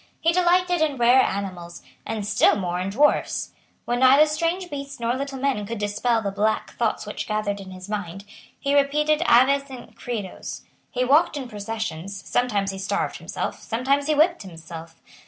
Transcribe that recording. He delighted in rare animals, and still more in dwarfs. When neither strange beasts nor little men could dispel the black thoughts which gathered in his mind, he repeated Aves and Credos; he walked in processions; sometimes he starved himself; sometimes he whipped himself.